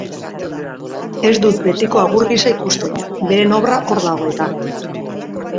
Ez dut betiko agur gisa ikusten, beren obra hor dago eta.